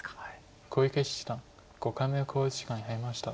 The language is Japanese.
小池七段５回目の考慮時間に入りました。